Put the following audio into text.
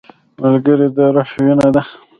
ملګری د روح وینه ده